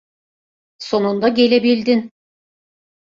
Sonunda gelebildin.